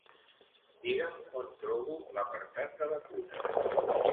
Digue'm on trobo l'apartat de vacunes.